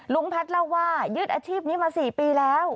ลุงพัฒน์เราว่ายึดอาชีพนี้มา๔ปีแล้ว